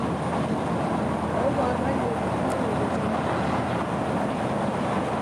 Ow'adwa ni w'ukongo ghuja m'baa.